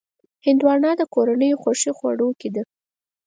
هندوانه د کورنیو خوښې خوړو کې ده.